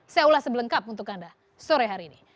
saya ulas sebelengkap untuk anda sore hari ini